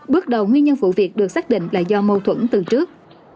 bước đầu nguyên nhân vụ việc được xác định là do mâu thuẫn từ trước